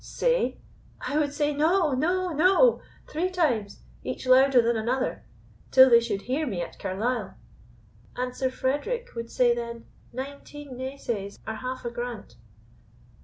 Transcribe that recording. "Say? I would say, NO, NO, NO, three times, each louder than another, till they should hear me at Carlisle." "And Sir Frederick would say then, nineteen nay says are half a grant."